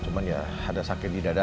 cuman ya ada sakit di dada